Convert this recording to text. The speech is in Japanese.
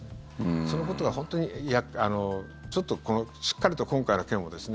そのことが本当にしっかりと今回の件をですね